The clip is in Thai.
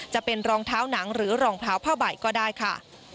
จะเป็นรองเท้าหนังหรือรองเท้าผ้าใบก็ได้ค่ะ